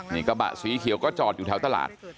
นี่กระบะสีเขียวก็จอดอยู่แถวตลาด